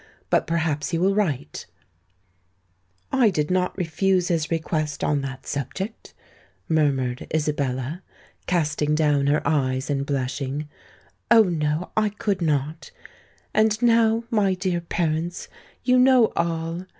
But perhaps he will write——" "I did not refuse his request on that subject," murmured Isabella, casting down her eyes and blushing: "Oh! no—I could not! And now, my dear parents, you know all.